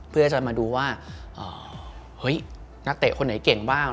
เพื่อจะมาดูว่าเฮ้ยนักเตะคนไหนเก่งบ้าง